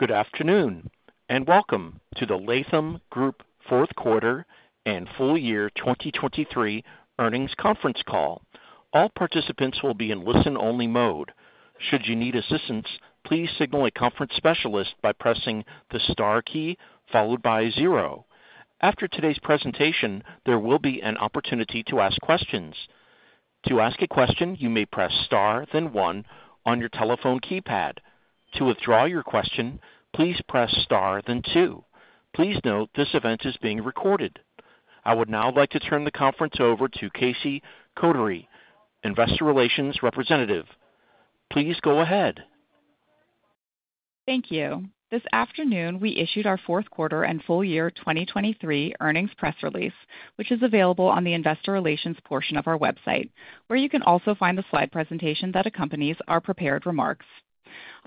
Good afternoon and welcome to the Latham Group fourth quarter and full year 2023 earnings conference call. All participants will be in listen-only mode. Should you need assistance, please signal a conference specialist by pressing the star key followed by zero. After today's presentation, there will be an opportunity to ask questions. To ask a question, you may press star then one on your telephone keypad. To withdraw your question, please press star then two. Please note this event is being recorded. I would now like to turn the conference over to Casey Kotary, Investor Relations Representative. Please go ahead. Thank you. This afternoon we issued our fourth quarter and full year 2023 earnings press release, which is available on the Investor Relations portion of our website, where you can also find the slide presentation that accompanies our prepared remarks.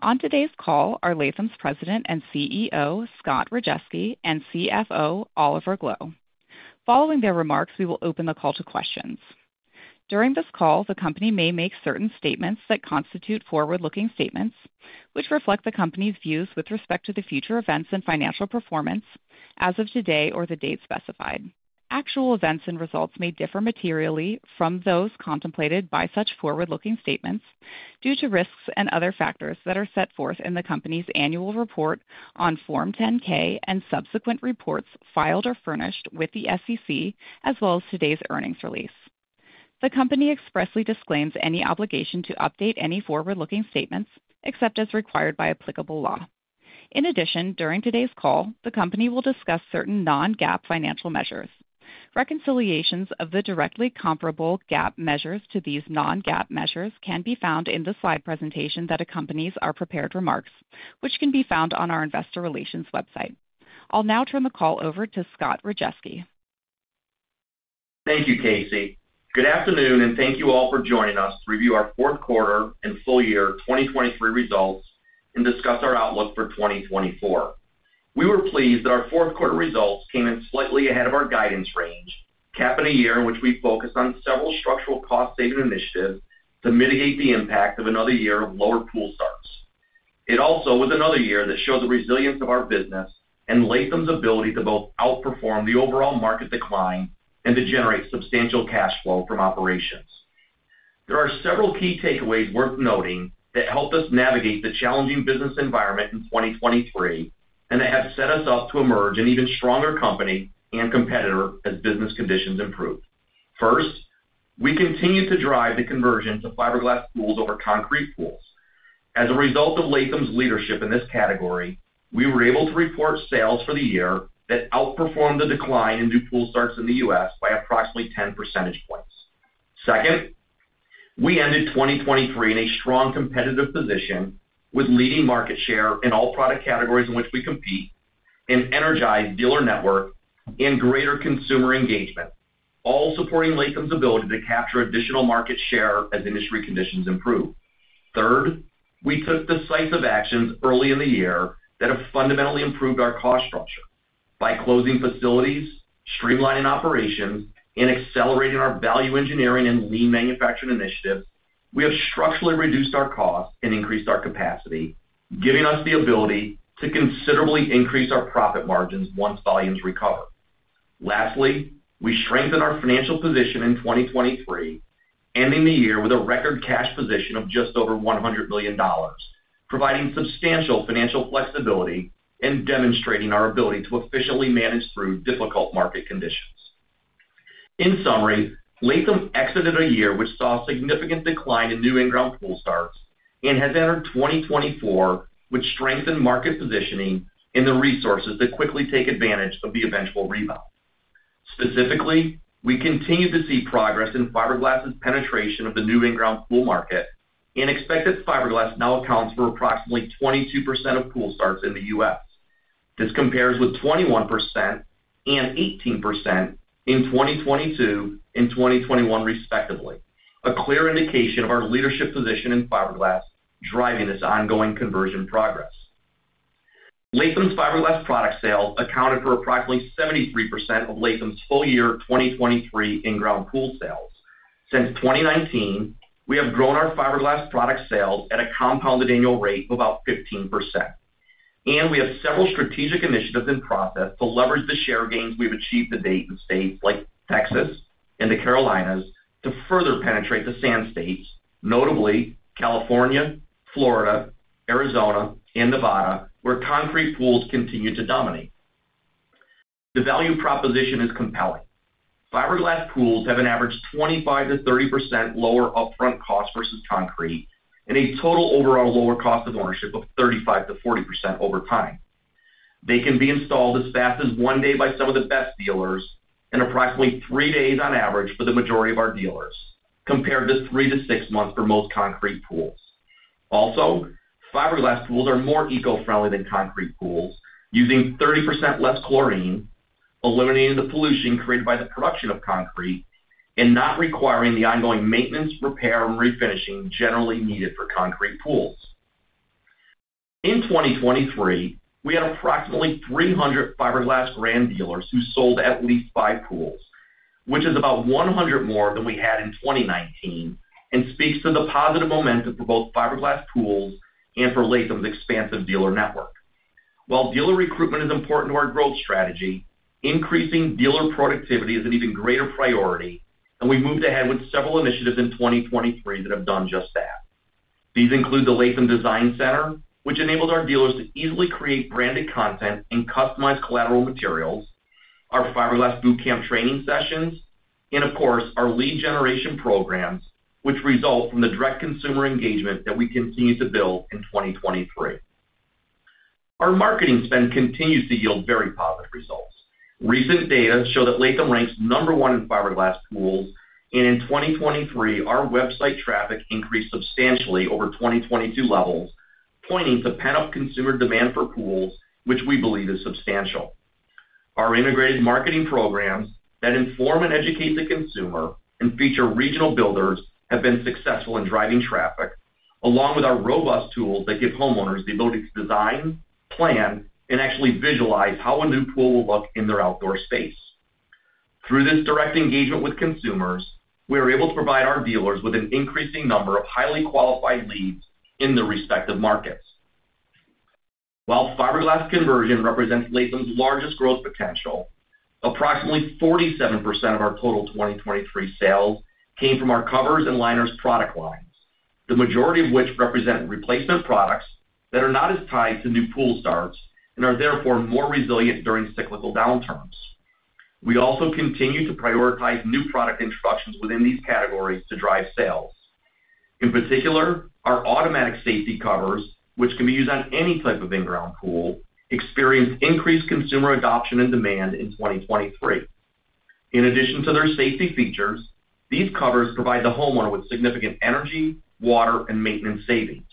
On today's call are Latham's President and CEO Scott Rajeski and CFO Oliver Gloe. Following their remarks, we will open the call to questions. During this call, the company may make certain statements that constitute forward-looking statements, which reflect the company's views with respect to the future events and financial performance as of today or the date specified. Actual events and results may differ materially from those contemplated by such forward-looking statements due to risks and other factors that are set forth in the company's annual report on Form 10-K and subsequent reports filed or furnished with the SEC, as well as today's earnings release. The company expressly disclaims any obligation to update any forward-looking statements except as required by applicable law. In addition, during today's call, the company will discuss certain non-GAAP financial measures. Reconciliations of the directly comparable GAAP measures to these non-GAAP measures can be found in the slide presentation that accompanies our prepared remarks, which can be found on our Investor Relations website. I'll now turn the call over to Scott Rajeski. Thank you, Casey. Good afternoon, and thank you all for joining us to review our fourth quarter and full year 2023 results and discuss our outlook for 2024. We were pleased that our fourth quarter results came in slightly ahead of our guidance range, capping a year in which we focused on several structural cost-saving initiatives to mitigate the impact of another year of lower pool starts. It also was another year that showed the resilience of our business and Latham's ability to both outperform the overall market decline and to generate substantial cash flow from operations. There are several key takeaways worth noting that helped us navigate the challenging business environment in 2023 and that have set us up to emerge an even stronger company and competitor as business conditions improve. First, we continue to drive the conversion to fiberglass pools over concrete pools. As a result of Latham's leadership in this category, we were able to report sales for the year that outperformed the decline in new pool starts in the U.S. by approximately 10 percentage points. Second, we ended 2023 in a strong competitive position with leading market share in all product categories in which we compete, an energized dealer network, and greater consumer engagement, all supporting Latham's ability to capture additional market share as industry conditions improve. Third, we took decisive actions early in the year that have fundamentally improved our cost structure. By closing facilities, streamlining operations, and accelerating our value engineering and lean manufacturing initiatives, we have structurally reduced our costs and increased our capacity, giving us the ability to considerably increase our profit margins once volumes recover. Lastly, we strengthened our financial position in 2023, ending the year with a record cash position of just over $100 million, providing substantial financial flexibility and demonstrating our ability to efficiently manage through difficult market conditions. In summary, Latham exited a year which saw a significant decline in new in-ground pool starts and has entered 2024 with strengthened market positioning and the resources to quickly take advantage of the eventual rebound. Specifically, we continue to see progress in fiberglass's penetration of the new in-ground pool market and expect that fiberglass now accounts for approximately 22% of pool starts in the U.S. This compares with 21% and 18% in 2022 and 2021, respectively, a clear indication of our leadership position in fiberglass driving this ongoing conversion progress. Latham's fiberglass product sales accounted for approximately 73% of Latham's full year 2023 in-ground pool sales. Since 2019, we have grown our fiberglass product sales at a compounded annual rate of about 15%, and we have several strategic initiatives in process to leverage the share gains we've achieved to date in states like Texas and the Carolinas to further penetrate the Sand States, notably California, Florida, Arizona, and Nevada, where concrete pools continue to dominate. The value proposition is compelling. Fiberglass pools have an average 25%-30% lower upfront cost versus concrete and a total overall lower cost of ownership of 35%-40% over time. They can be installed as fast as one day by some of the best dealers and approximately three days on average for the majority of our dealers, compared to three to six months for most concrete pools. Also, fiberglass pools are more eco-friendly than concrete pools, using 30% less chlorine, eliminating the pollution created by the production of concrete, and not requiring the ongoing maintenance, repair, and refinishing generally needed for concrete pools. In 2023, we had approximately 300 fiberglass Grand dealers who sold at least five pools, which is about 100 more than we had in 2019, and speaks to the positive momentum for both fiberglass pools and for Latham's expansive dealer network. While dealer recruitment is important to our growth strategy, increasing dealer productivity is an even greater priority, and we moved ahead with several initiatives in 2023 that have done just that. These include the Latham Design Center, which enabled our dealers to easily create branded content and customize collateral materials, our Fiberglass Bootcamp training sessions, and of course, our lead generation programs, which result from the direct consumer engagement that we continue to build in 2023. Our marketing spend continues to yield very positive results. Recent data show that Latham ranks number one in fiberglass pools, and in 2023, our website traffic increased substantially over 2022 levels, pointing to pent-up consumer demand for pools, which we believe is substantial. Our integrated marketing programs that inform and educate the consumer and feature regional builders have been successful in driving traffic, along with our robust tools that give homeowners the ability to design, plan, and actually visualize how a new pool will look in their outdoor space. Through this direct engagement with consumers, we are able to provide our dealers with an increasing number of highly qualified leads in the respective markets. While fiberglass conversion represents Latham's largest growth potential, approximately 47% of our total 2023 sales came from our covers and liners product lines, the majority of which represent replacement products that are not as tied to new pool starts and are therefore more resilient during cyclical downturns. We also continue to prioritize new product introductions within these categories to drive sales. In particular, our automatic safety covers, which can be used on any type of in-ground pool, experienced increased consumer adoption and demand in 2023. In addition to their safety features, these covers provide the homeowner with significant energy, water, and maintenance savings.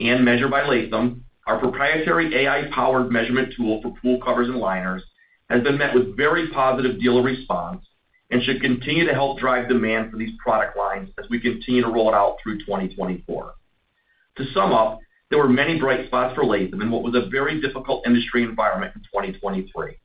Measure by Latham, our proprietary AI-powered measurement tool for pool covers and liners has been met with very positive dealer response and should continue to help drive demand for these product lines as we continue to roll it out through 2024. To sum up, there were many bright spots for Latham in what was a very difficult industry environment in 2023.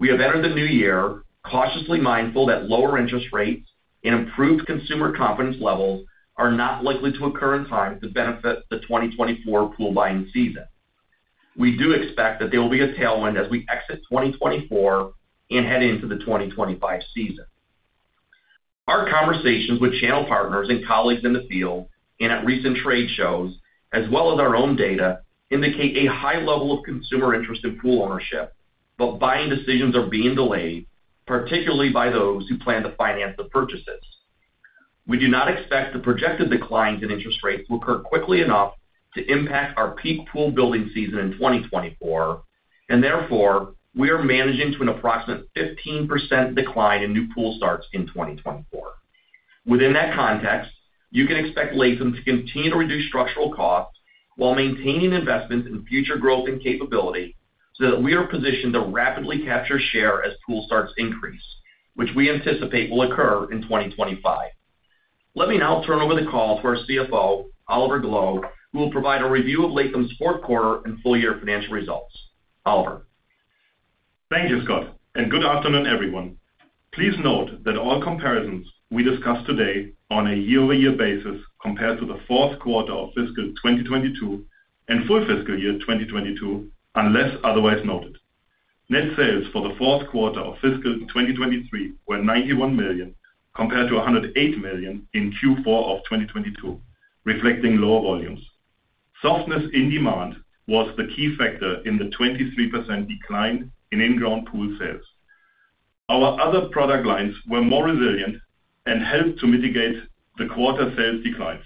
We have entered the new year cautiously mindful that lower interest rates and improved consumer confidence levels are not likely to occur in time to benefit the 2024 pool buying season. We do expect that there will be a tailwind as we exit 2024 and head into the 2025 season. Our conversations with channel partners and colleagues in the field and at recent trade shows, as well as our own data, indicate a high level of consumer interest in pool ownership, but buying decisions are being delayed, particularly by those who plan to finance the purchases. We do not expect the projected declines in interest rates to occur quickly enough to impact our peak pool building season in 2024, and therefore, we are managing to an approximate 15% decline in new pool starts in 2024. Within that context, you can expect Latham to continue to reduce structural costs while maintaining investments in future growth and capability so that we are positioned to rapidly capture share as pool starts increase, which we anticipate will occur in 2025. Let me now turn over the call to our CFO, Oliver Gloe, who will provide a review of Latham's fourth quarter and full year financial results. Oliver. Thank you, Scott, and good afternoon, everyone. Please note that all comparisons we discuss today are on a year-over-year basis compared to the fourth quarter of fiscal 2022 and full fiscal year 2022, unless otherwise noted. Net sales for the fourth quarter of fiscal 2023 were $91 million compared to $108 million in Q4 of 2022, reflecting lower volumes. Softness in demand was the key factor in the 23% decline in in-ground pool sales. Our other product lines were more resilient and helped to mitigate the quarter sales declines.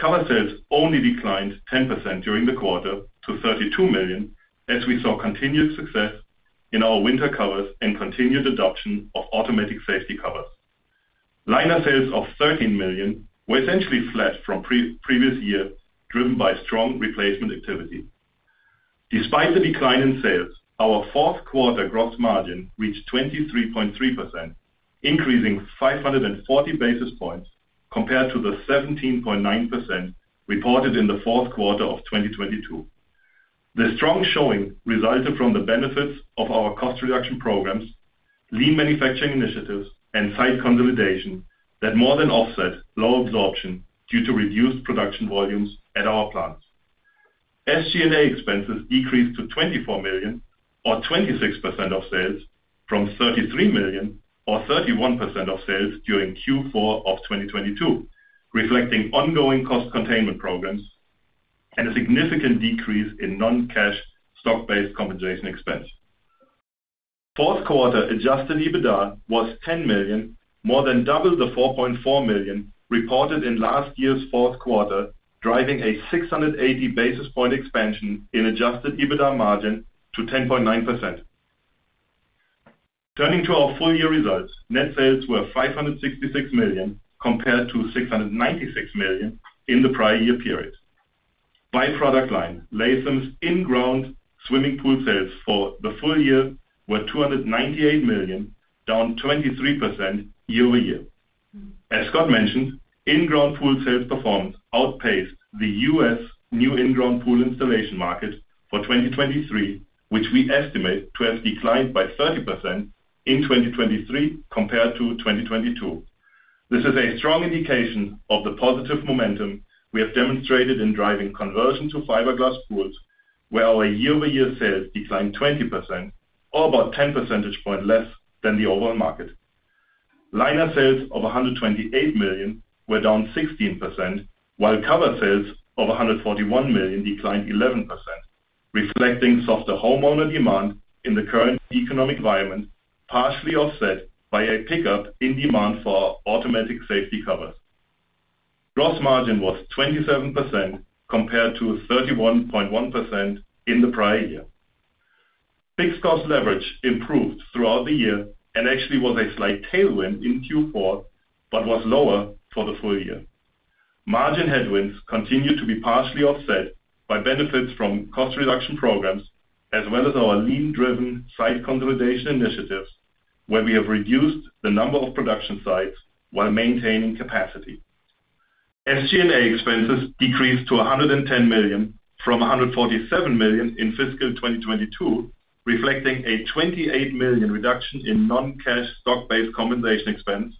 Cover sales only declined 10% during the quarter to $32 million as we saw continued success in our winter covers and continued adoption of automatic safety covers. Liner sales of $13 million were essentially flat from previous year, driven by strong replacement activity. Despite the decline in sales, our fourth quarter gross margin reached 23.3%, increasing 540 basis points compared to the 17.9% reported in the fourth quarter of 2022. The strong showing resulted from the benefits of our cost reduction programs, lean manufacturing initiatives, and site consolidation that more than offset low absorption due to reduced production volumes at our plants. SG&A expenses decreased to $24 million, or 26% of sales, from $33 million, or 31% of sales during Q4 of 2022, reflecting ongoing cost containment programs and a significant decrease in non-cash stock-based compensation expense. Fourth quarter Adjusted EBITDA was $10 million, more than double the $4.4 million reported in last year's fourth quarter, driving a 680 basis point expansion in adjusted EBITDA margin to 10.9%. Turning to our full year results, net sales were $566 million compared to $696 million in the prior year period. By product line, Latham's in-ground swimming pool sales for the full year were $298 million, down 23% year-over-year. As Scott mentioned, in-ground pool sales performance outpaced the U.S. new in-ground pool installation market for 2023, which we estimate to have declined by 30% in 2023 compared to 2022. This is a strong indication of the positive momentum we have demonstrated in driving conversion to fiberglass pools, where our year-over-year sales declined 20%, or about 10 percentage points less than the overall market. Liner sales of $128 million were down 16%, while cover sales of $141 million declined 11%, reflecting softer homeowner demand in the current economic environment, partially offset by a pickup in demand for automatic safety covers. Gross margin was 27% compared to 31.1% in the prior year. Fixed cost leverage improved throughout the year and actually was a slight tailwind in Q4 but was lower for the full year. Margin headwinds continue to be partially offset by benefits from cost reduction programs as well as our lean-driven site consolidation initiatives, where we have reduced the number of production sites while maintaining capacity. SG&A expenses decreased to $110 million from $147 million in fiscal 2022, reflecting a $28 million reduction in non-cash stock-based compensation expense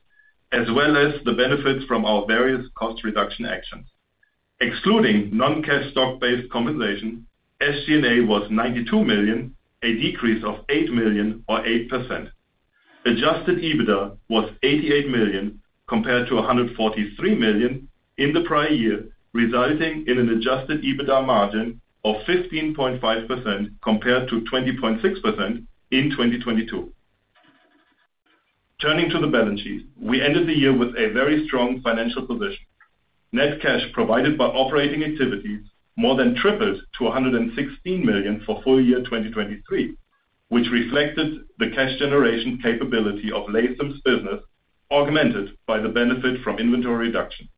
as well as the benefits from our various cost reduction actions. Excluding non-cash stock-based compensation, SG&A was $92 million, a decrease of $8 million, or 8%. Adjusted EBITDA was $88 million compared to $143 million in the prior year, resulting in an adjusted EBITDA margin of 15.5% compared to 20.6% in 2022. Turning to the balance sheet, we ended the year with a very strong financial position. Net cash provided by operating activities more than tripled to $116 million for full year 2023, which reflected the cash generation capability of Latham's business, augmented by the benefit from inventory reduction.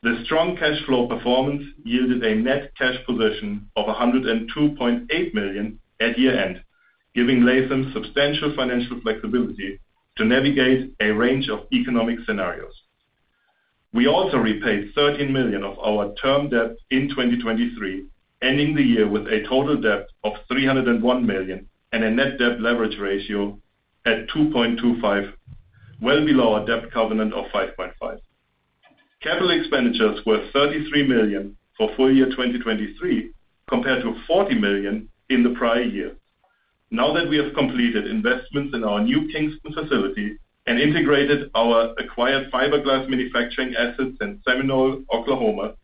The strong cash flow performance yielded a net cash position of $102.8 million at year-end, giving Latham substantial financial flexibility to navigate a range of economic scenarios. We also repaid $13 million of our term debt in 2023, ending the year with a total debt of $301 million and a net debt leverage ratio at 2.25, well below our debt covenant of 5.5. Capital expenditures were $33 million for full year 2023 compared to $40 million in the prior year. Now that we have completed investments in our new Kingston facility and integrated our acquired fiberglass manufacturing assets in Seminole, Oklahoma,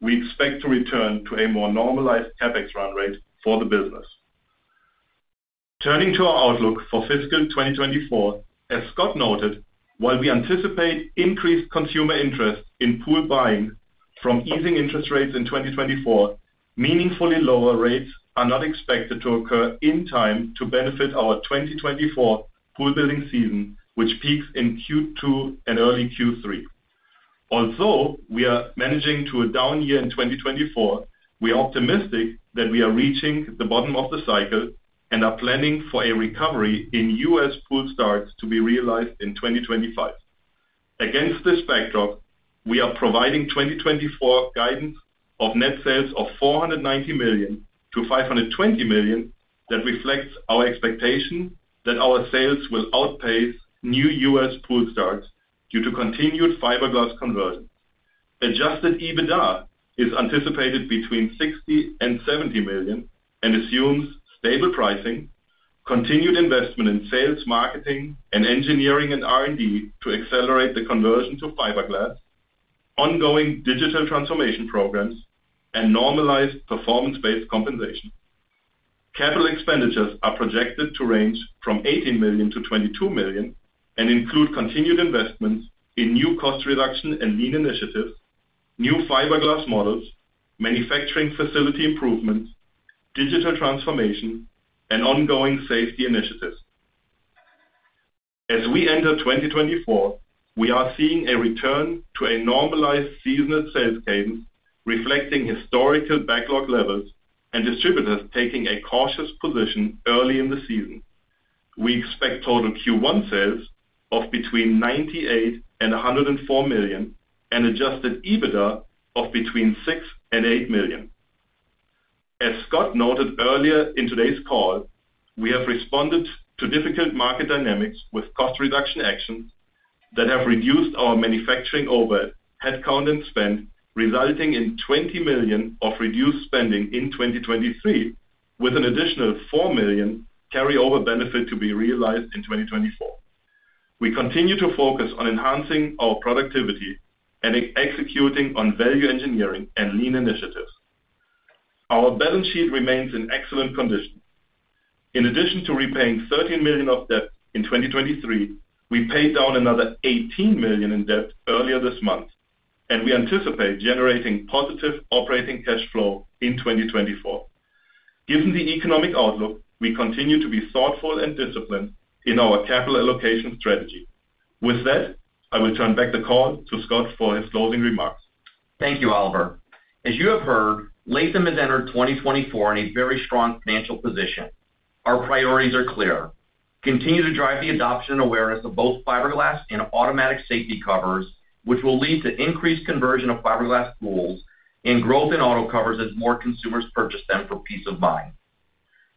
we expect to return to a more normalized CapEx run rate for the business. Turning to our outlook for fiscal 2024, as Scott noted, while we anticipate increased consumer interest in pool buying from easing interest rates in 2024, meaningfully lower rates are not expected to occur in time to benefit our 2024 pool building season, which peaks in Q2 and early Q3. Although we are managing to a down year in 2024, we are optimistic that we are reaching the bottom of the cycle and are planning for a recovery in U.S. pool starts to be realized in 2025. Against this backdrop, we are providing 2024 guidance of net sales of $490 million-$520 million that reflects our expectation that our sales will outpace new U.S. pool starts due to continued fiberglass conversion. Adjusted EBITDA is anticipated between $60 million and $70 million and assumes stable pricing, continued investment in sales, marketing, and engineering and R&D to accelerate the conversion to fiberglass, ongoing digital transformation programs, and normalized performance-based compensation. Capital expenditures are projected to range from $18 million-$22 million and include continued investments in new cost reduction and lean initiatives, new fiberglass models, manufacturing facility improvements, digital transformation, and ongoing safety initiatives. As we enter 2024, we are seeing a return to a normalized seasonal sales cadence reflecting historical backlog levels and distributors taking a cautious position early in the season. We expect total Q1 sales of between $98 million and $104 million and Adjusted EBITDA of between $6 million and $8 million. As Scott noted earlier in today's call, we have responded to difficult market dynamics with cost reduction actions that have reduced our manufacturing overhead count and spend, resulting in $20 million of reduced spending in 2023 with an additional $4 million carryover benefit to be realized in 2024. We continue to focus on enhancing our productivity and executing on value engineering and lean initiatives. Our balance sheet remains in excellent condition. In addition to repaying $13 million of debt in 2023, we paid down another $18 million in debt earlier this month, and we anticipate generating positive operating cash flow in 2024. Given the economic outlook, we continue to be thoughtful and disciplined in our capital allocation strategy. With that, I will turn back the call to Scott for his closing remarks. Thank you, Oliver. As you have heard, Latham has entered 2024 in a very strong financial position. Our priorities are clear: continue to drive the adoption and awareness of both fiberglass and automatic safety covers, which will lead to increased conversion of fiberglass pools and growth in auto covers as more consumers purchase them for peace of mind.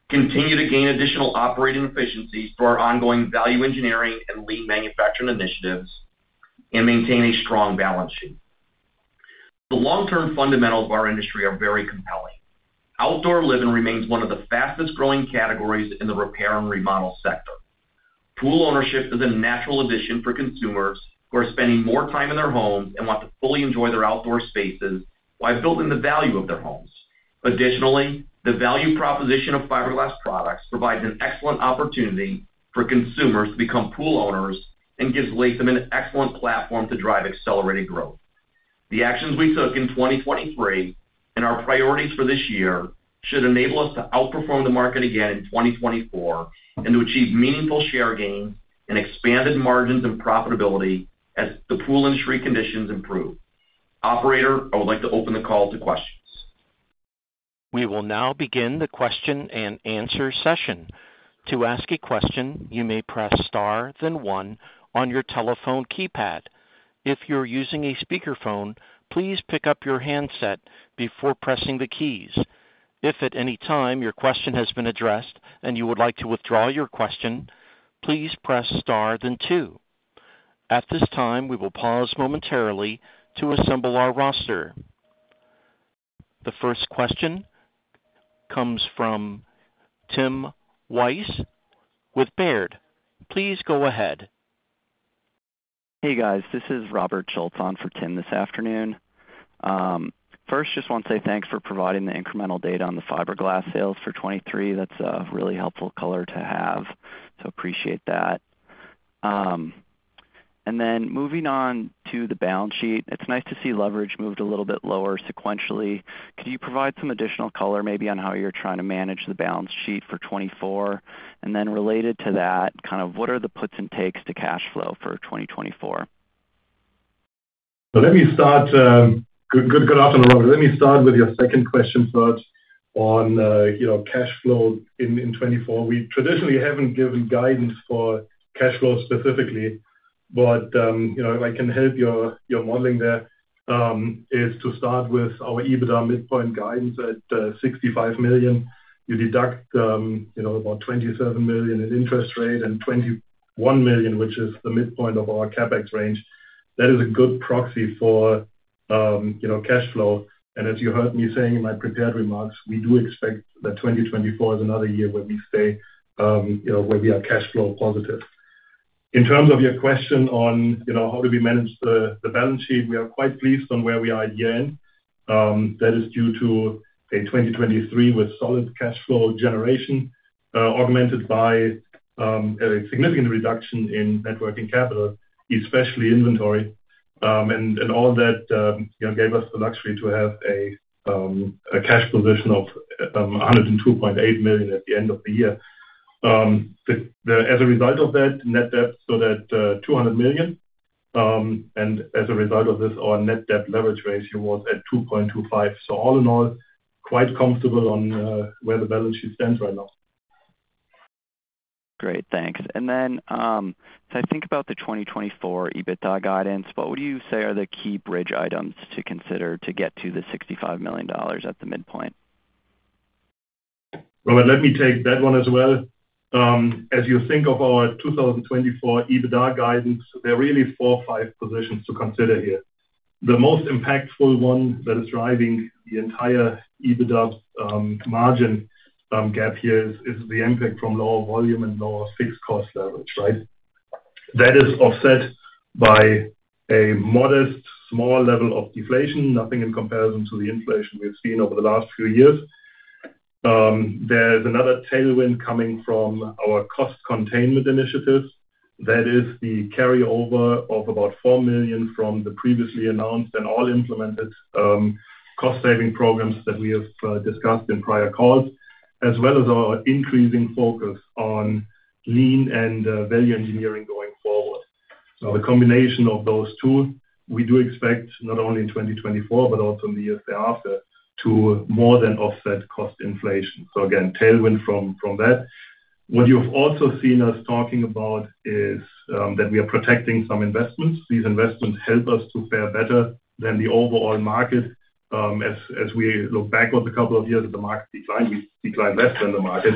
Continue to gain additional operating efficiencies through our ongoing value engineering and lean manufacturing initiatives. And maintain a strong balance sheet. The long-term fundamentals of our industry are very compelling. Outdoor living remains one of the fastest-growing categories in the repair and remodel sector. Pool ownership is a natural addition for consumers who are spending more time in their homes and want to fully enjoy their outdoor spaces while building the value of their homes. Additionally, the value proposition of fiberglass products provides an excellent opportunity for consumers to become pool owners and gives Latham an excellent platform to drive accelerated growth. The actions we took in 2023 and our priorities for this year should enable us to outperform the market again in 2024 and to achieve meaningful share gains and expanded margins and profitability as the pool industry conditions improve. Operator, I would like to open the call to questions. We will now begin the question-and-answer session. To ask a question, you may press star, then one, on your telephone keypad. If you're using a speakerphone, please pick up your handset before pressing the keys. If at any time your question has been addressed and you would like to withdraw your question, please press star, then two. At this time, we will pause momentarily to assemble our roster. The first question comes from Tim Wojs with Baird. Please go ahead. Hey, guys. This is Robert Schultz on for Tim this afternoon. First, just want to say thanks for providing the incremental data on the fiberglass sales for 2023. That's a really helpful color to have, so appreciate that. And then moving on to the balance sheet, it's nice to see leverage moved a little bit lower sequentially. Could you provide some additional color, maybe on how you're trying to manage the balance sheet for 2024? And then related to that, kind of what are the puts and takes to cash flow for 2024? So, let me start. Good afternoon, Robert. Let me start with your second question, Scott, on cash flow in 2024. We traditionally haven't given guidance for cash flow specifically, but if I can help your modeling there, it's to start with our EBITDA midpoint guidance at $65 million. You deduct about $27 million in interest and $21 million, which is the midpoint of our CapEx range. That is a good proxy for cash flow. And as you heard me saying in my prepared remarks, we do expect that 2024 is another year where we stay where we are cash flow positive. In terms of your question on how do we manage the balance sheet, we are quite pleased with where we are at year-end. That is due to a 2023 with solid cash flow generation augmented by a significant reduction in net working capital, especially inventory. All that gave us the luxury to have a cash position of $102.8 million at the end of the year. As a result of that, net debt stood at $200 million. As a result of this, our net debt leverage ratio was at 2.25. All in all, quite comfortable on where the balance sheet stands right now. Great. Thanks. And then as I think about the 2024 EBITDA guidance, what would you say are the key bridge items to consider to get to the $65 million at the midpoint? Robert, let me take that one as well. As you think of our 2024 EBITDA guidance, there are really 4, 5 positions to consider here. The most impactful one that is driving the entire EBITDA margin gap here is the impact from lower volume and lower fixed cost leverage, right? That is offset by a modest, small level of deflation, nothing in comparison to the inflation we've seen over the last few years. There's another tailwind coming from our cost containment initiatives. That is the carryover of about $4 million from the previously announced and all-implemented cost-saving programs that we have discussed in prior calls, as well as our increasing focus on lean and value engineering going forward. So the combination of those two, we do expect not only in 2024 but also in the years thereafter to more than offset cost inflation. So again, tailwind from that. What you have also seen us talking about is that we are protecting some investments. These investments help us to fare better than the overall market. As we look back over a couple of years, the market declined. We declined less than the market,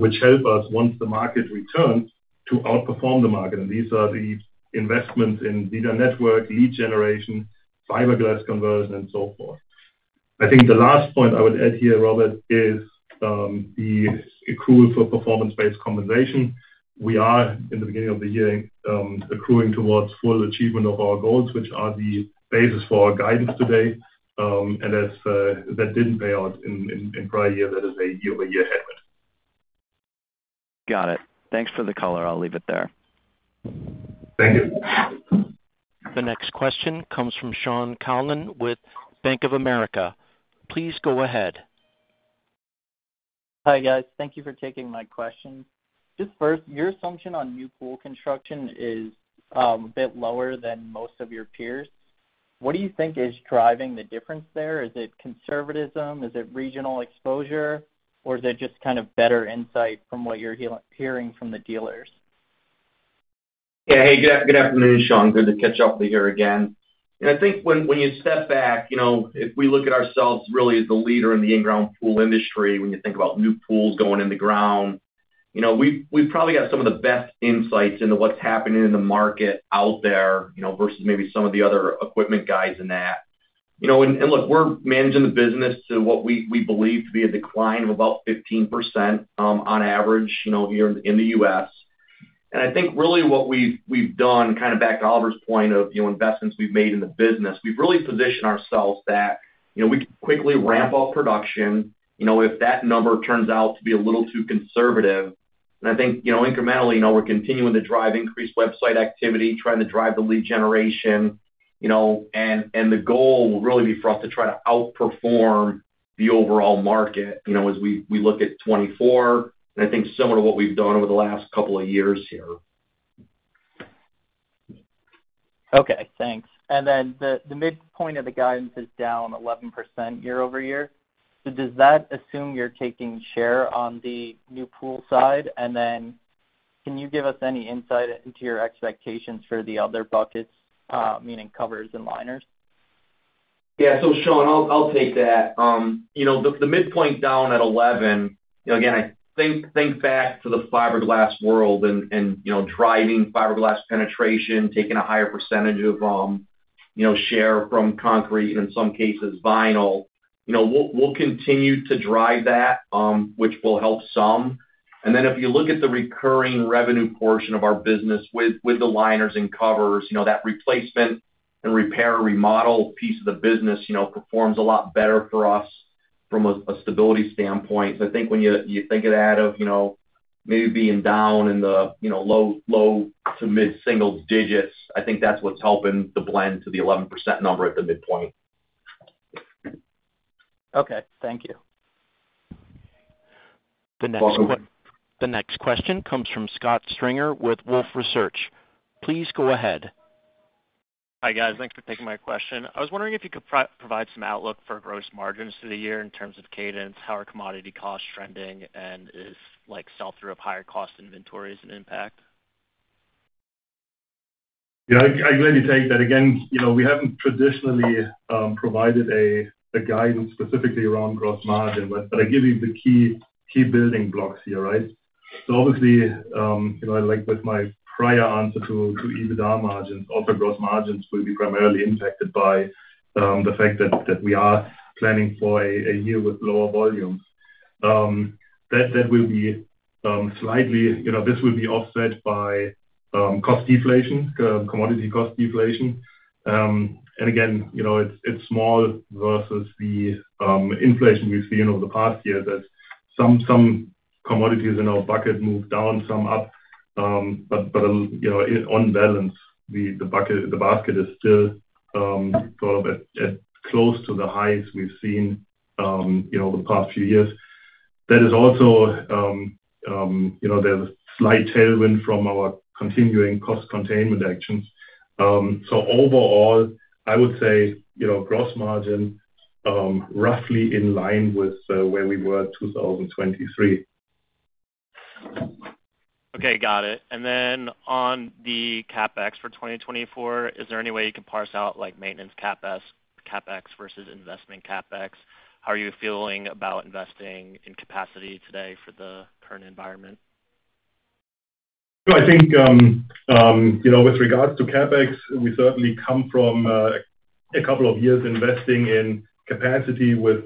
which helped us once the market returned to outperform the market. These are the investments in VIDA network, lead generation, fiberglass conversion, and so forth. I think the last point I would add here, Robert, is the accrual for performance-based compensation. We are, in the beginning of the year, accruing towards full achievement of our goals, which are the basis for our guidance today. That didn't pay out in prior year. That is a year-over-year headwind. Got it. Thanks for the color. I'll leave it there. Thank you. The next question comes from Shaun Calnan with Bank of America. Please go ahead. Hi, guys. Thank you for taking my question. Just first, your assumption on new pool construction is a bit lower than most of your peers. What do you think is driving the difference there? Is it conservatism? Is it regional exposure? Or is it just kind of better insight from what you're hearing from the dealers? Yeah. Hey, good afternoon, Sean. Good to catch up with you here again. And I think when you step back, if we look at ourselves really as the leader in the in-ground pool industry, when you think about new pools going in the ground, we've probably got some of the best insights into what's happening in the market out there versus maybe some of the other equipment guys in that. And look, we're managing the business to what we believe to be a decline of about 15% on average here in the U.S. And I think really what we've done, kind of back to Oliver's point of investments we've made in the business, we've really positioned ourselves that we can quickly ramp up production if that number turns out to be a little too conservative. I think incrementally, we're continuing to drive increased website activity, trying to drive the lead generation. The goal will really be for us to try to outperform the overall market as we look at 2024, and I think similar to what we've done over the last couple of years here. Okay. Thanks. Then the midpoint of the guidance is down 11% year-over-year. Does that assume you're taking share on the new pool side? Then can you give us any insight into your expectations for the other buckets, meaning covers and liners? Yeah. So Sean, I'll take that. The midpoint down at 11, again, I think back to the fiberglass world and driving fiberglass penetration, taking a higher percentage of share from concrete and, in some cases, vinyl. We'll continue to drive that, which will help some. And then if you look at the recurring revenue portion of our business with the liners and covers, that replacement and repair/remodel piece of the business performs a lot better for us from a stability standpoint. So I think when you think of that of maybe being down in the low- to mid-single digits, I think that's what's helping to blend to the 11% number at the midpoint. Okay. Thank you. The next question comes from Scott Stringer with Wolfe Research. Please go ahead. Hi, guys. Thanks for taking my question. I was wondering if you could provide some outlook for gross margins for the year in terms of cadence, how are commodity costs trending, and is sell-through of higher-cost inventories an impact? Yeah. I'm glad you take that. Again, we haven't traditionally provided a guidance specifically around gross margin, but I give you the key building blocks here, right? So obviously, like with my prior answer to EBITDA margins, also gross margins will be primarily impacted by the fact that we are planning for a year with lower volumes. That will be slightly. This will be offset by commodity cost deflation. And again, it's small versus the inflation we've seen over the past years. Some commodities in our bucket moved down, some up. But on balance, the basket is still sort of as close to the highs we've seen over the past few years. That is also. There's a slight tailwind from our continuing cost containment actions. So overall, I would say gross margin roughly in line with where we were in 2023. Okay. Got it. And then on the CapEx for 2024, is there any way you can parse out maintenance CapEx versus investment CapEx? How are you feeling about investing in capacity today for the current environment? I think with regards to CapEx, we certainly come from a couple of years investing in capacity with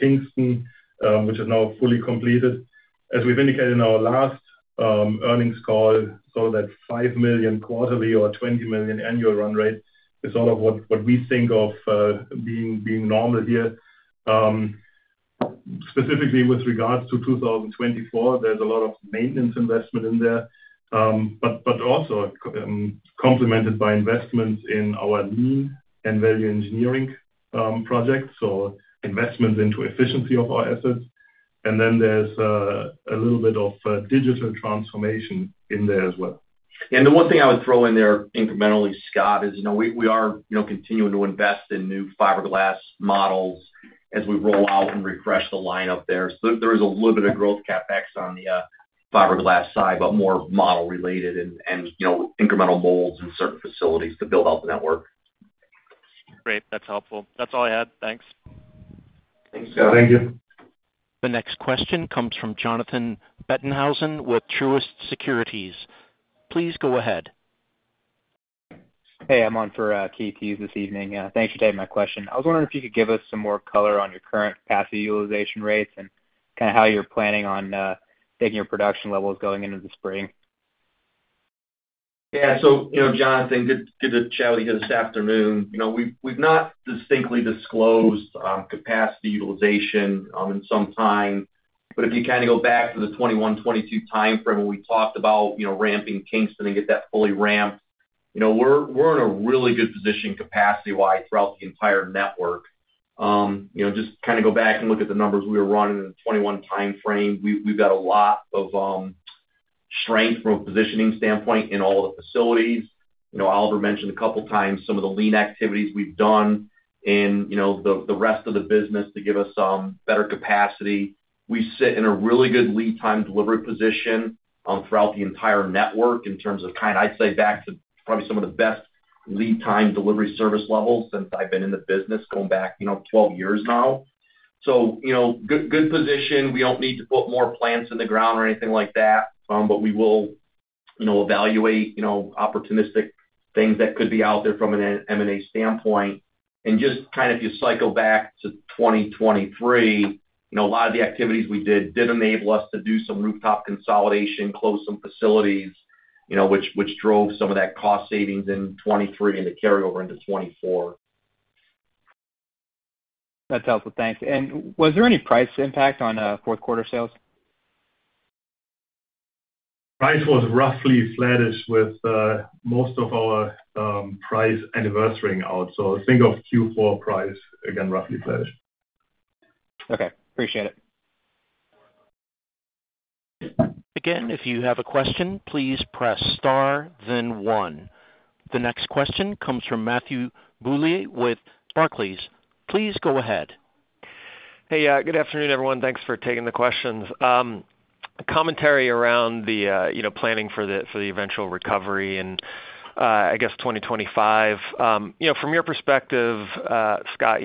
Kingston, which is now fully completed. As we've indicated in our last earnings call, sort of that $5 million quarterly or $20 million annual run rate is sort of what we think of being normal here. Specifically with regards to 2024, there's a lot of maintenance investment in there, but also complemented by investments in our lean and value engineering projects, so investments into efficiency of our assets. Then there's a little bit of digital transformation in there as well. Yeah. And the one thing I would throw in there, incrementally, Scott, is we are continuing to invest in new fiberglass models as we roll out and refresh the lineup there. So there is a little bit of growth CapEx on the fiberglass side, but more model-related and incremental molds in certain facilities to build out the network. Great. That's helpful. That's all I had. Thanks. Thanks, Scott. Thank you. The next question comes from Jonathan Bettenhausen with Truist Securities. Please go ahead. Hey. I'm on for Keith Hughes this evening. Thanks for taking my question. I was wondering if you could give us some more color on your current capacity utilization rates and kind of how you're planning on taking your production levels going into the spring? Yeah. So Jonathan, good to chat with you here this afternoon. We've not distinctly disclosed capacity utilization in some time. But if you kind of go back to the 2021-2022 timeframe when we talked about ramping Kingston and get that fully ramped, we're in a really good position capacity-wise throughout the entire network. Just kind of go back and look at the numbers we were running in the 2021 timeframe. We've got a lot of strength from a positioning standpoint in all the facilities. Oliver mentioned a couple of times some of the lean activities we've done in the rest of the business to give us better capacity. We sit in a really good lead-time delivery position throughout the entire network in terms of kind of I'd say back to probably some of the best lead-time delivery service levels since I've been in the business going back 12 years now. So good position. We don't need to put more plants in the ground or anything like that, but we will evaluate opportunistic things that could be out there from an M&A standpoint. Just kind of if you cycle back to 2023, a lot of the activities we did did enable us to do some rooftop consolidation, close some facilities, which drove some of that cost savings in 2023 and the carryover into 2024. That's helpful. Thanks. Was there any price impact on fourth quarter sales? Price was roughly flattish with most of our price anniversarying out. So think of Q4 price, again, roughly flattish. Okay. Appreciate it. Again, if you have a question, please press star, then one. The next question comes from Matthew Bouley with Barclays. Please go ahead. Hey. Good afternoon, everyone. Thanks for taking the questions. Commentary around the planning for the eventual recovery in, I guess, 2025. From your perspective, Scott,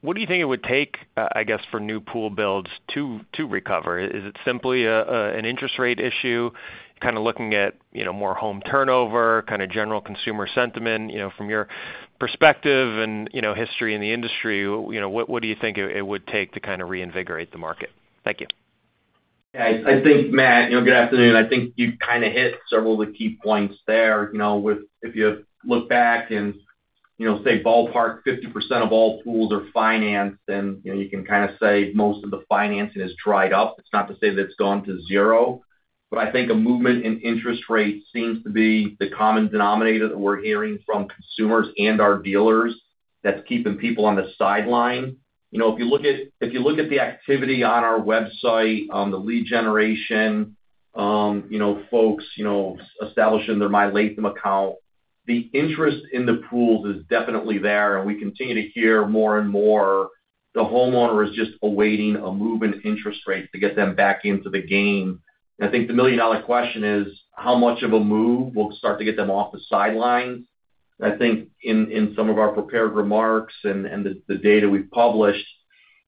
what do you think it would take, I guess, for new pool builds to recover? Is it simply an interest rate issue, kind of looking at more home turnover, kind of general consumer sentiment? From your perspective and history in the industry, what do you think it would take to kind of reinvigorate the market? Thank you. Yeah. I think, Matt, good afternoon. I think you kind of hit several of the key points there. If you look back and, say, ballpark 50% of all pools are financed, then you can kind of say most of the financing has dried up. It's not to say that it's gone to zero. But I think a movement in interest rates seems to be the common denominator that we're hearing from consumers and our dealers that's keeping people on the sideline. If you look at the activity on our website, the lead generation folks establishing their MyLatham account, the interest in the pools is definitely there. And we continue to hear more and more the homeowner is just awaiting a move in interest rates to get them back into the game. I think the million-dollar question is how much of a move will start to get them off the sidelines. I think in some of our prepared remarks and the data we've published,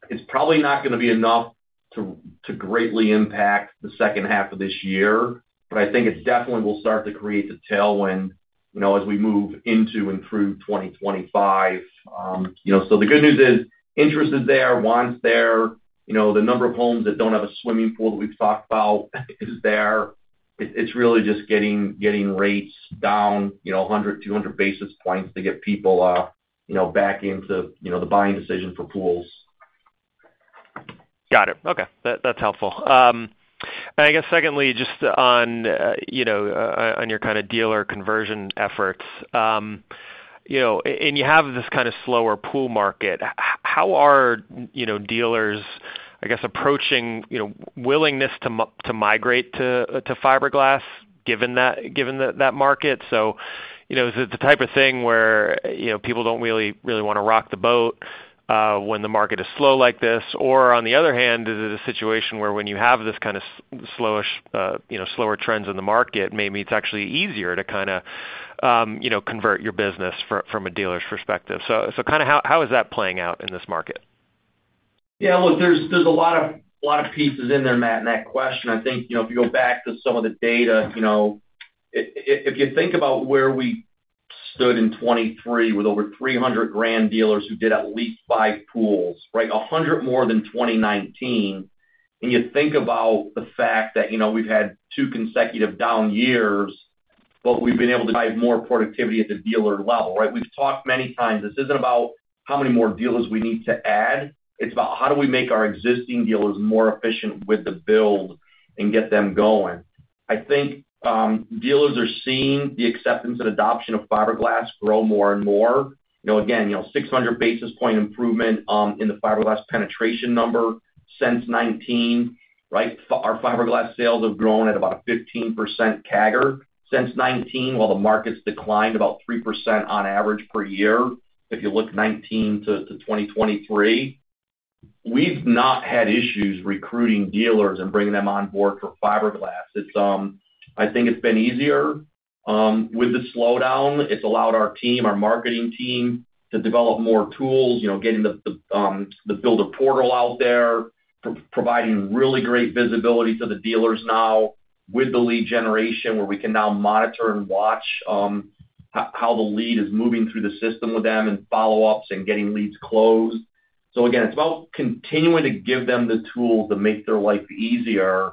it's probably not going to be enough to greatly impact the second half of this year. I think it definitely will start to create the tailwind as we move into and through 2025. The good news is interest is there, want is there. The number of homes that don't have a swimming pool that we've talked about is there. It's really just getting rates down 100, 200 basis points to get people back into the buying decision for pools. Got it. Okay. That's helpful. And I guess, secondly, just on your kind of dealer conversion efforts, and you have this kind of slower pool market, how are dealers, I guess, approaching willingness to migrate to fiberglass given that market? So is it the type of thing where people don't really want to rock the boat when the market is slow like this? Or on the other hand, is it a situation where when you have this kind of slower trends in the market, maybe it's actually easier to kind of convert your business from a dealer's perspective? So kind of how is that playing out in this market? Yeah. Look, there's a lot of pieces in there, Matt, in that question. I think if you go back to some of the data, if you think about where we stood in 2023 with over 300 Grand dealers who did at least five pools, right, 100 more than 2019, and you think about the fact that we've had two consecutive down years, but we've been able to drive more productivity at the dealer level, right? We've talked many times. This isn't about how many more dealers we need to add. It's about how do we make our existing dealers more efficient with the build and get them going. I think dealers are seeing the acceptance and adoption of fiberglass grow more and more. Again, 600 basis point improvement in the fiberglass penetration number since 2019, right? Our fiberglass sales have grown at about a 15% CAGR since 2019, while the market's declined about 3% on average per year if you look 2019 to 2023. We've not had issues recruiting dealers and bringing them on board for fiberglass. I think it's been easier. With the slowdown, it's allowed our team, our marketing team, to develop more tools, getting the builder portal out there, providing really great visibility to the dealers now with the lead generation where we can now monitor and watch how the lead is moving through the system with them and follow-ups and getting leads closed. So again, it's about continuing to give them the tools that make their life easier.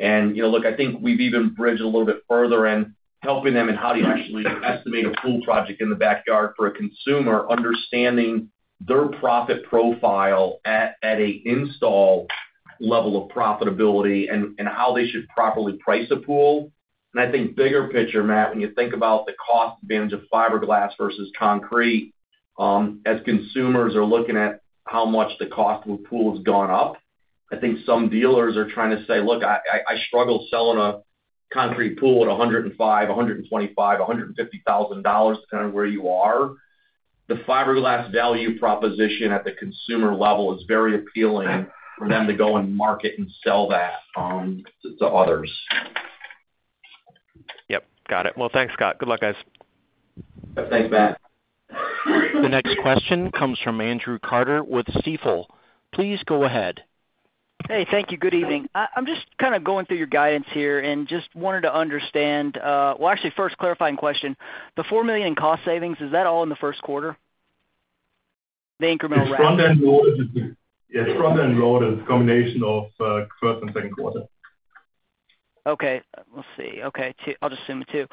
And look, I think we've even bridged a little bit further in helping them in how do you actually estimate a pool project in the backyard for a consumer, understanding their profit profile at an install level of profitability and how they should properly price a pool. And I think bigger picture, Matt, when you think about the cost advantage of fiberglass versus concrete, as consumers are looking at how much the cost of a pool has gone up, I think some dealers are trying to say, "Look, I struggle selling a concrete pool at $105,000, $125,000, $150,000, depending on where you are." The fiberglass value proposition at the consumer level is very appealing for them to go and market and sell that to others. Yep. Got it. Well, thanks, Scott. Good luck, guys. Yep. Thanks, Matt. The next question comes from Andrew Carter with Stifel. Please go ahead. Hey. Thank you. Good evening. I'm just kind of going through your guidance here and just wanted to understand well, actually, first clarifying question. The $4 million in cost savings, is that all in the first quarter, the incremental ramp? It's front-end load and combination of first and second quarter. Okay. Let's see. Okay. I'll just assume 2.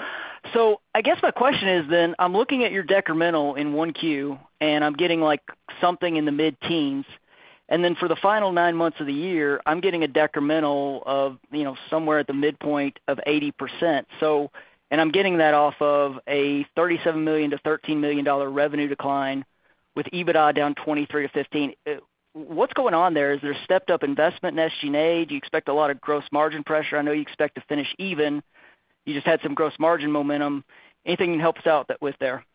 So I guess my question is then, I'm looking at your decremental in Q1, and I'm getting something in the mid-teens. And then for the final nine months of the year, I'm getting a decremental of somewhere at the midpoint of 80%. And I'm getting that off of a $37 million-$13 million revenue decline with EBITDA down $23 million-$15 million. What's going on there? Is there stepped-up investment in SG&A? Do you expect a lot of gross margin pressure? I know you expect to finish even. You just had some gross margin momentum. Anything you can help us out with there?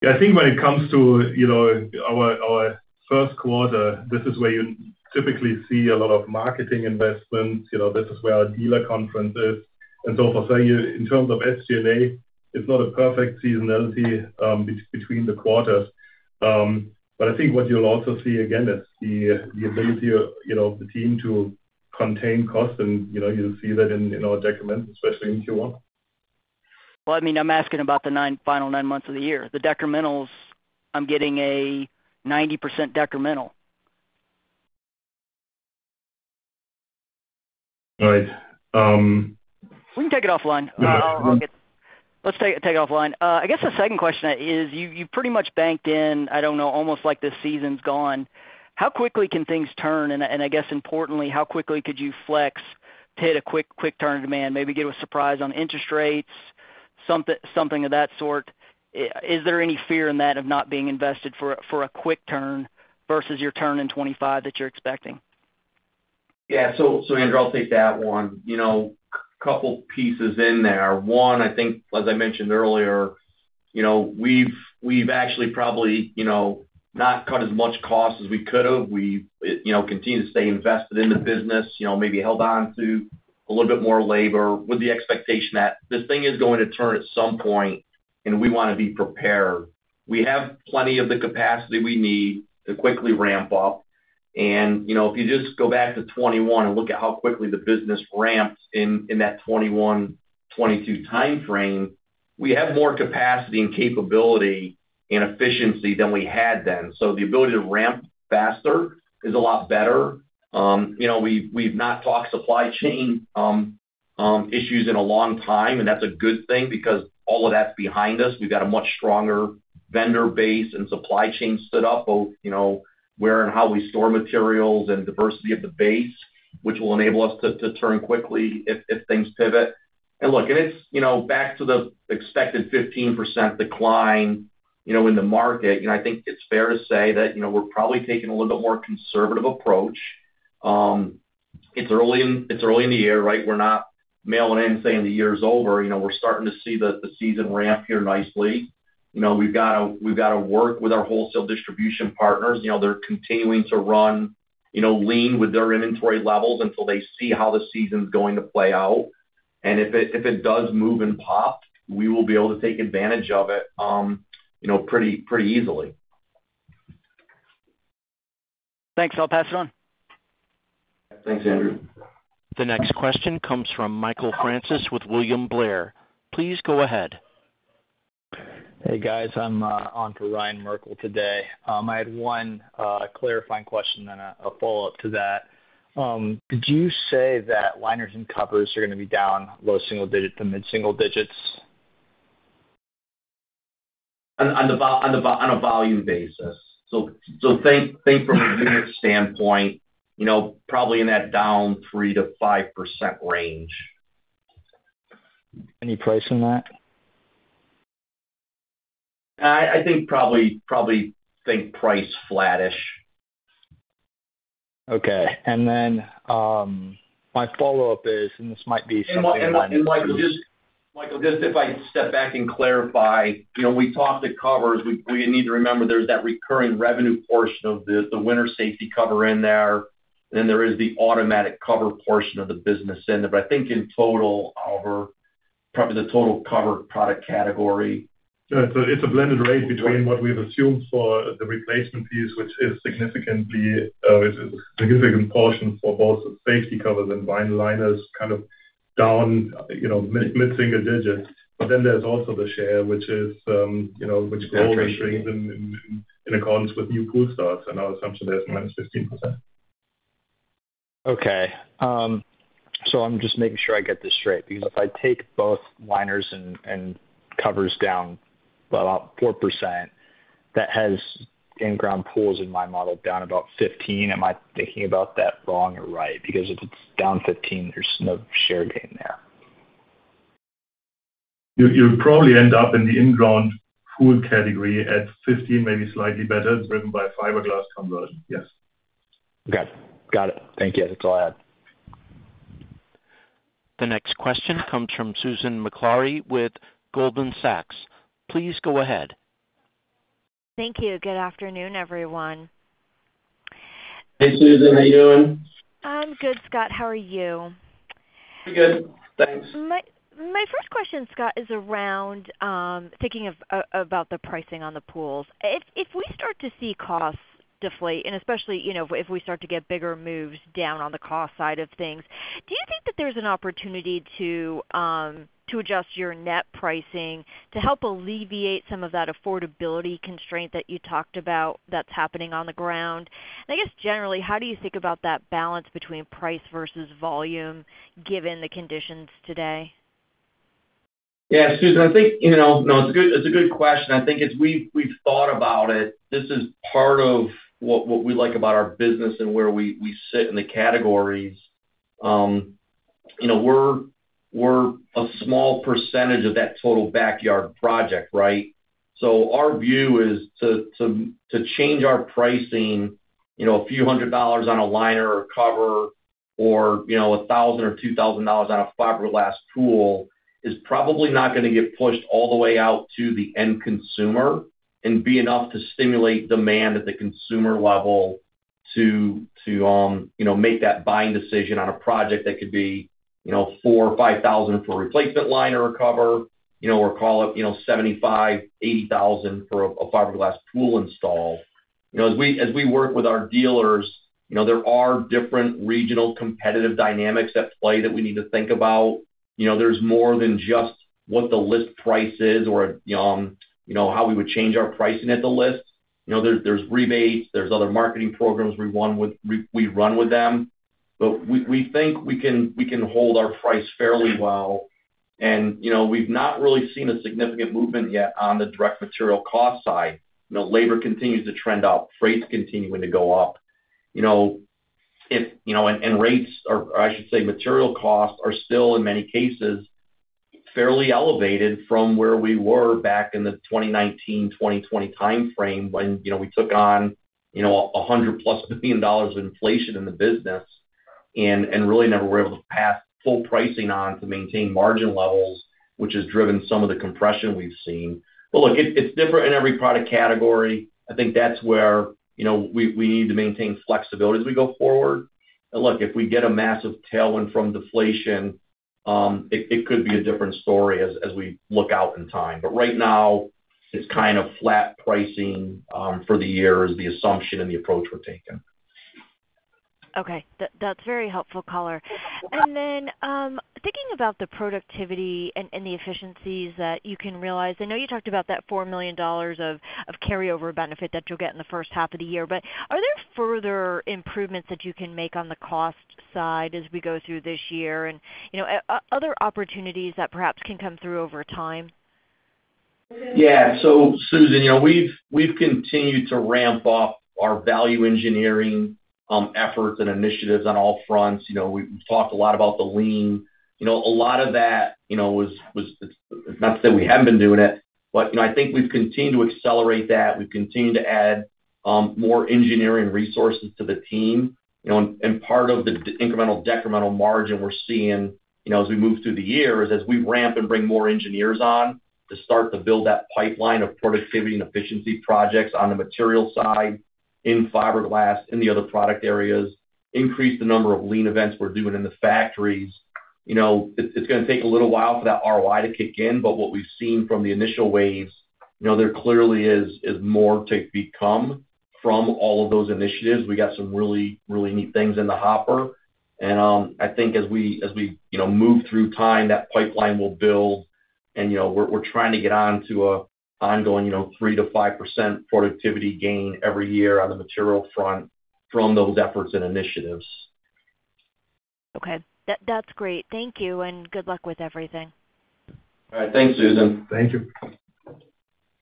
Yeah. I think when it comes to our first quarter, this is where you typically see a lot of marketing investments. This is where our dealer conference is. And so for SG&A, it's not a perfect seasonality between the quarters. But I think what you'll also see, again, is the ability of the team to contain cost. And you'll see that in our decremental, especially in Q1. Well, I mean, I'm asking about the final nine months of the year. The decrementals, I'm getting a 90% decremental. Right. We can take it offline. Let's take it offline. I guess the second question is, you pretty much banked in, I don't know, almost like the season's gone. How quickly can things turn? And I guess, importantly, how quickly could you flex to hit a quick turn of demand, maybe get a surprise on interest rates, something of that sort? Is there any fear in that of not being invested for a quick turn versus your turn in 2025 that you're expecting? Yeah. So Andrew, I'll take that one. Couple of pieces in there. One, I think, as I mentioned earlier, we've actually probably not cut as much cost as we could have. We've continued to stay invested in the business, maybe held onto a little bit more labor with the expectation that this thing is going to turn at some point, and we want to be prepared. We have plenty of the capacity we need to quickly ramp up. And if you just go back to 2021 and look at how quickly the business ramped in that 2021-2022 timeframe, we have more capacity and capability and efficiency than we had then. So the ability to ramp faster is a lot better. We've not talked supply chain issues in a long time, and that's a good thing because all of that's behind us. We've got a much stronger vendor base and supply chain stood up, both where and how we store materials and diversity of the base, which will enable us to turn quickly if things pivot. And look, it's back to the expected 15% decline in the market. I think it's fair to say that we're probably taking a little bit more conservative approach. It's early in the year, right? We're not mailing in and saying the year's over. We're starting to see the season ramp here nicely. We've got to work with our wholesale distribution partners. They're continuing to run lean with their inventory levels until they see how the season's going to play out. And if it does move and pop, we will be able to take advantage of it pretty easily. Thanks. I'll pass it on. Thanks, Andrew. The next question comes from Michael Francis with William Blair. Please go ahead. Hey, guys. I'm on for Ryan Merkel today. I had one clarifying question, then a follow-up to that. Did you say that liners and covers are going to be down low single digits to mid-single digits? On a volume basis. So think from a unit standpoint, probably in that down 3%-5% range. Any price on that? I think probably price flattish. Okay. And then my follow-up is, and this might be something that might. Michael, just if I step back and clarify, we talked to covers. We need to remember there's that recurring revenue portion of the winter safety cover in there, and then there is the automatic cover portion of the business in there. But I think in total, Oliver, probably the total cover product category. Yeah. It's a blended rate between what we've assumed for the replacement fees, which is a significant portion for both safety covers and vinyl liners, kind of down mid-single digits. But then there's also the share, which grows and shrinks in accordance with new pool starts. And our assumption there's -15%. Okay. So I'm just making sure I get this straight because if I take both liners and covers down about 4%, that has in-ground pools in my model down about 15. Am I thinking about that wrong or right? Because if it's down 15, there's no share gain there. You'll probably end up in the in-ground pool category at 15, maybe slightly better. Driven by fiberglass conversion. Yes. Okay. Got it. Thank you. That's all I had. The next question comes from Susan Maklari with Goldman Sachs. Please go ahead. Thank you. Good afternoon, everyone. Hey, Susan. How you doing? I'm good, Scott. How are you? Pretty good. Thanks. My first question, Scott, is around thinking about the pricing on the pools. If we start to see costs deflate, and especially if we start to get bigger moves down on the cost side of things, do you think that there's an opportunity to adjust your net pricing to help alleviate some of that affordability constraint that you talked about that's happening on the ground? And I guess, generally, how do you think about that balance between price versus volume given the conditions today? Yeah, Susan. I think no, it's a good question. I think we've thought about it. This is part of what we like about our business and where we sit in the categories. We're a small percentage of that total backyard project, right? So our view is to change our pricing, a few hundred dollars on a liner or cover or $1,000 or $2,000 on a fiberglass pool, is probably not going to get pushed all the way out to the end consumer and be enough to stimulate demand at the consumer level to make that buying decision on a project that could be $4,000 or $5,000 for a replacement liner or cover or call it $75,000-$80,000 for a fiberglass pool install. As we work with our dealers, there are different regional competitive dynamics at play that we need to think about. There's more than just what the list price is or how we would change our pricing at the list. There's rebates. There's other marketing programs we run with them. But we think we can hold our price fairly well. And we've not really seen a significant movement yet on the direct material cost side. Labor continues to trend up. Freight's continuing to go up. And rates or, I should say, material costs are still, in many cases, fairly elevated from where we were back in the 2019-2020 timeframe when we took on $100+ billion of inflation in the business and really never were able to pass full pricing on to maintain margin levels, which has driven some of the compression we've seen. But look, it's different in every product category. I think that's where we need to maintain flexibility as we go forward. Look, if we get a massive tailwind from deflation, it could be a different story as we look out in time. But right now, it's kind of flat pricing for the year is the assumption and the approach we're taking. Okay. That's very helpful, Oliver. And then thinking about the productivity and the efficiencies that you can realize, I know you talked about that $4 million of carryover benefit that you'll get in the first half of the year. But are there further improvements that you can make on the cost side as we go through this year and other opportunities that perhaps can come through over time? Yeah. So Susan, we've continued to ramp up our value engineering efforts and initiatives on all fronts. We've talked a lot about the lean. A lot of that was, it's not to say we haven't been doing it, but I think we've continued to accelerate that. We've continued to add more engineering resources to the team. And part of the incremental-decremental margin we're seeing as we move through the year is as we ramp and bring more engineers on to start to build that pipeline of productivity and efficiency projects on the material side, in fiberglass, in the other product areas, increase the number of lean events we're doing in the factories. It's going to take a little while for that ROI to kick in, but what we've seen from the initial waves, there clearly is more to become from all of those initiatives. We got some really, really neat things in the hopper. I think as we move through time, that pipeline will build. We're trying to get onto an ongoing 3%-5% productivity gain every year on the material front from those efforts and initiatives. Okay. That's great. Thank you. And good luck with everything. All right. Thanks, Susan. Thank you.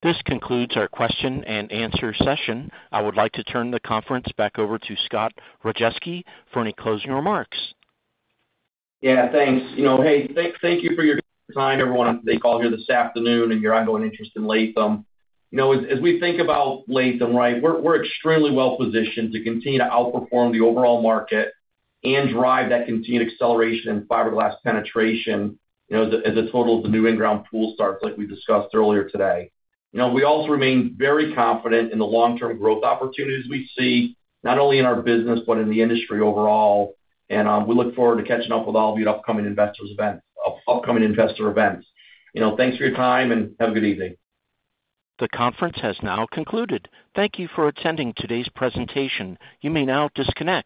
This concludes our question and answer session. I would like to turn the conference back over to Scott Rajeski for any closing remarks. Yeah. Thanks. Hey, thank you for your time, everyone. The call here this afternoon, and your ongoing interest in Latham. As we think about Latham, right, we're extremely well-positioned to continue to outperform the overall market and drive that continued acceleration in fiberglass penetration as a total of the new in-ground pool starts like we discussed earlier today. We also remain very confident in the long-term growth opportunities we see, not only in our business but in the industry overall. We look forward to catching up with all of you at upcoming investor events. Thanks for your time, and have a good evening. The conference has now concluded. Thank you for attending today's presentation. You may now disconnect.